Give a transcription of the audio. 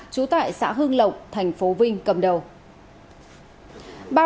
trú tại xã hương lộc tp vinh cầm đầu